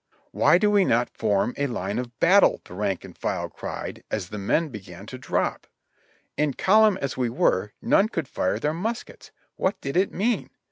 "Why do we not form a line of battle?" the rank and file cried as the men began to drop. In column as we were, none could fire their muskets! What did it mean?